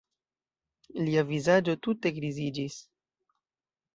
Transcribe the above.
Lia vizaĝo tute griziĝis.